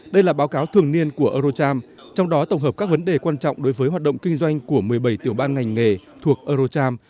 đây là báo cáo thường niên của eurocharm trong đó tổng hợp các vấn đề quan trọng đối với hoạt động kinh doanh của một mươi bảy tiểu ban ngành nghề thuộc eurocharm